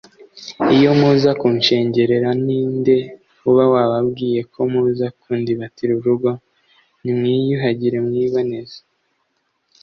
iyo muza kunshengerera, ni nde uba wababwiye ko muza kundibatira urugo?” ‘nimwiyuhagire mwiboneze,